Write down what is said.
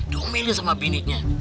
domilin sama biniknya